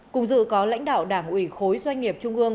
cùng dự có lãnh đạo đảng ủy khối doanh nghiệp trung ương